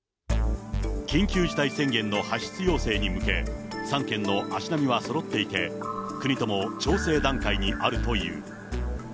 緊急事態宣言の発出要請に向け、３県の足並みはそろっていて、国とも調整段階にあるという。